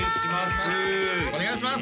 お願いします